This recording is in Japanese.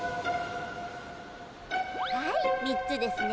はい３つですね。